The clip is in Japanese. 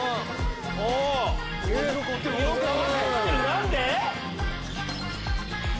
何で？